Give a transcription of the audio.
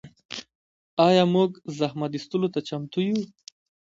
آیا موږ زحمت ایستلو ته چمتو یو؟